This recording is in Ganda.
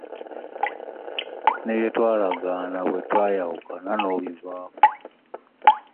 Ne bye twalagaana bwe twayawuka n'obivaako.